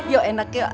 yuk enak yuk